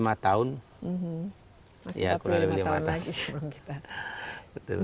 masih empat puluh lima tahun lagi sebelum kita